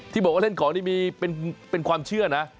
บอกว่าเล่นของนี่มีเป็นความเชื่อนะ